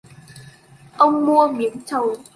Ông mua miếng trầu